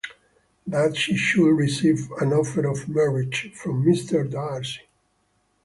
That she should receive an offer of marriage from Mr. Darcy!